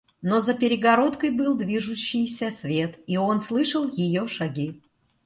Но за перегородкой был движущийся свет, и он слышал ее шаги.